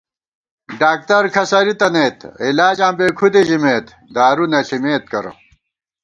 ڈاکتر کھسَرِی تنَئیت ، علاجاں بېکھُدے ژِمېت دارُو نہ ݪِمېت کرہ